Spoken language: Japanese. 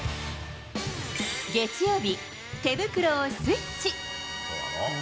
月曜日、手袋をスイッチ。